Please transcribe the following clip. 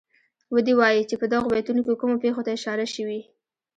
ودې وايي چه په دغو بیتونو کې کومو پېښو ته اشاره شوې.